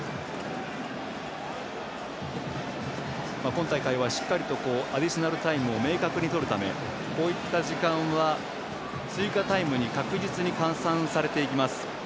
今大会はしっかりとアディショナルタイムを明確にとるためこういった時間は追加タイムに確実に換算されていきます。